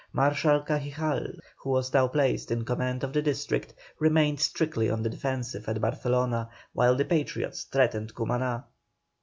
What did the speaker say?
Marshal Cajigal, who was now placed in command of the district, remained strictly on the defensive at Barcelona, while the Patriots threatened Cumaná.